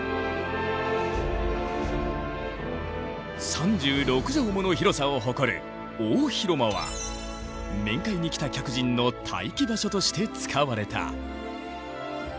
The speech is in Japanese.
３６畳もの広さを誇る大広間は面会に来た客人の待機場所として使われた。